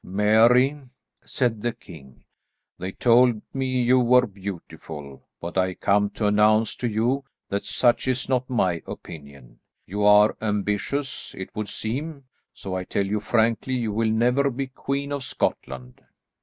"Mary," said the king, "they told me you were beautiful, but I come to announce to you that such is not my opinion. You are ambitious, it would seem, so I tell you frankly, you will never be Queen of Scotland."